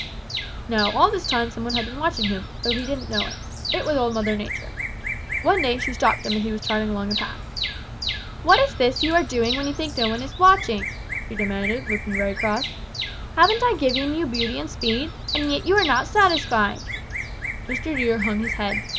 "Now all this time some one had been watching him, though he didn't know it. It was Old Mother Nature. One day she stopped him as he was trotting along a path. 'What is this you are doing when you think no one is watching?' she demanded, looking very cross. 'Haven't I given you beauty and speed? And yet you are not satisfied!' Mr. Deer hung his head.